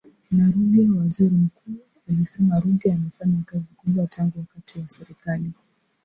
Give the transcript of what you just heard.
na Ruge Waziri Mkuu alisema Ruge amefanya kazi kubwa tangu wakati wa Serikali